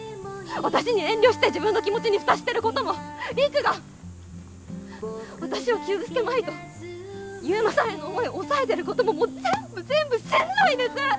私に遠慮して自分の気持ちに蓋してることも陸が私を傷つけまいと悠磨さんへの思い抑えてることももう全部全部しんどいです！